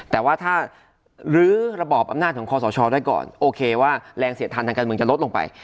แต่ว่าถ้าลื้อระบอบอำนาจของคอสชได้ก่อนโอเคว่าแรงเสียดทานทางการเมืองจะลดลงไป